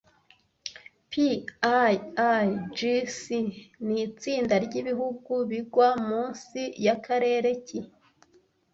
PIIGS nitsinda ryibihugu bigwa munsi yakarere ki